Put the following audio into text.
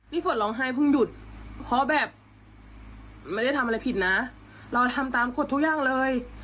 ฝนร้องไห้เพิ่งหยุดเพราะแบบไม่ได้ทำอะไรผิดนะเราทำตามกฎทุกอย่างเลย